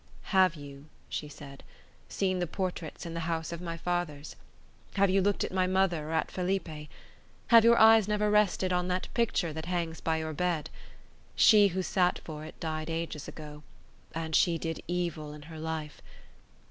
"Have you," she said, "seen the portraits in the house of my fathers? Have you looked at my mother or at Felipe? Have your eyes never rested on that picture that hangs by your bed? She who sat for it died ages ago; and she did evil in her life.